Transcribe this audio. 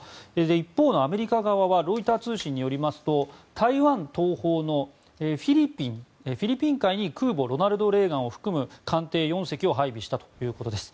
一方のアメリカ側はロイター通信によりますと台湾東方のフィリピン海に空母「ロナルド・レーガン」を含む艦艇４隻を配備したということです。